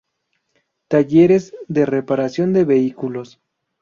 Talleres de reparación de vehículos.